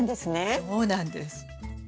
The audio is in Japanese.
そうなんです。